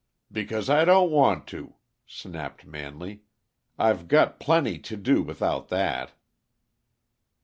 "Because I don't want to," snapped Manley: "I've got plenty to do without that."